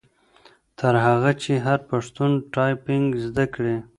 تر هغه چي هر پښتون ټایپنګ زده کړي.